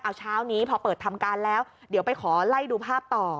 เอาเช้านี้พอเปิดทำการแล้วเดี๋ยวไปขอไล่ดูภาพต่อ